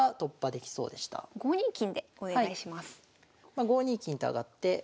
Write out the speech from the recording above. まあ５二金と上がって。